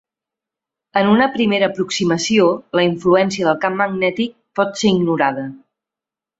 En una primera aproximació, la influència del camp magnètic pot ser ignorada.